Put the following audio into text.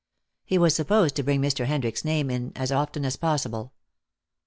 He was supposed to bring Mr. Hendricks' name in as often as possible.